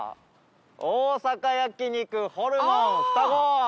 「大阪焼肉・ホルモンふたご」！